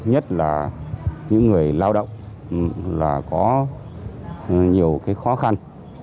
nhất là những người lao động là có nhiều cái khó khăn